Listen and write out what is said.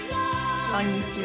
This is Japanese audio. こんにちは。